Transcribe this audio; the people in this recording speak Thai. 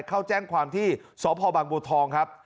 เข้าแจ้งความที่สพบางบัวทองครับ